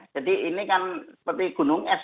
jadi ini kan seperti gunung es